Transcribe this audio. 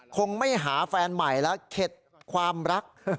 คงไม่หาแฟนใหม่แล้วเข็ดความรัก